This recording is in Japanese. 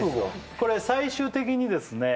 これ最終的にですね